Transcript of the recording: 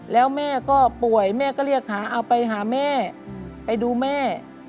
แล้วแม่ก็ป่วยแม่ก็เรียกหาเอาไปหาแม่ไปดูแม่